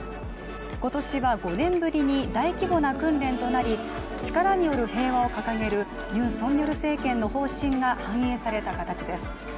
今年は５年ぶりに大規模な訓練となり「力による平和」を掲げるユン・ソンニョル政権の方針が反映された形です。